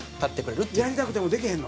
蛍原：やりたくてもできへんの？